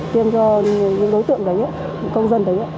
tiêm cho những đối tượng đánh công dân đánh